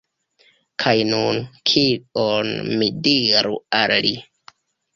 Kaj nun, kion mi diru al li?